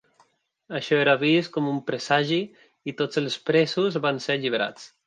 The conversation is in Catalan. Això era vist com un presagi i tots els presos van ser alliberats.